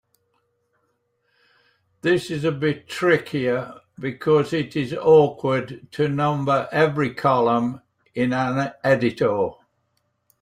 This is a bit trickier because it is awkward to number every column in an editor.